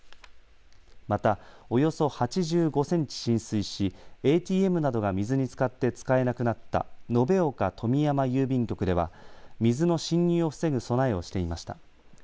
またおよそ８５センチ浸水しＡＴＭなどが水につかって使えなくなった延岡富美山郵便局では水の侵入を防ぐ備えをしていました。